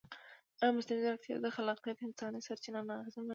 ایا مصنوعي ځیرکتیا د خلاقیت انساني سرچینه نه اغېزمنوي؟